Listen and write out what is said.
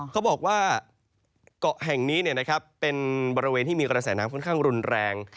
เขาบอกว่าเกาะแห่งนี้เป็นบริเวณที่มีกระแสน้ำค่อนข้างรุนแรง